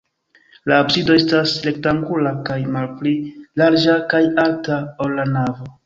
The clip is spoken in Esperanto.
La absido estas rektangula kaj malpli larĝa kaj alta, ol la navo.